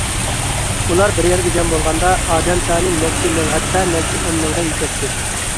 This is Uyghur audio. ئۇلار بىر يەرگە جەم بولغاندا، ئادەم سانى نەچچە مىڭ، ھەتتا نەچچە ئون مىڭغا يېتەتتى.